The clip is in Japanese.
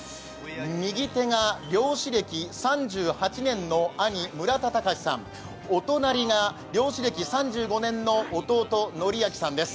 右手が漁師歴３８年の兄、村田貴史さん、お隣が漁師歴３５年の弟、憲昭さんです。